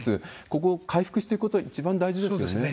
ここ、回復していくこと、一番大事ですよね。